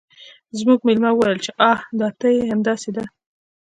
زموږ میلمه وویل چې آه دا ته یې همداسې ده